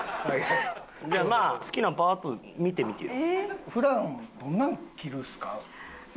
じゃあまあ好きなんパーッと見てみてよ。